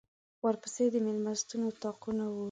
ورپسې د مېلمستون اطاقونه وو.